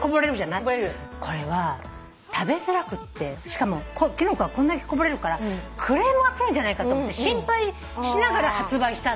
これは食べづらくってしかもきな粉がこんだけこぼれるからクレームがくるんじゃないかと思って心配しながら発売した。